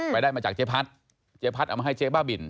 ไปได้มาจากเจ๊พัฒน์เจ๊พัฒน์เอามาให้เจ๊บ้าบิล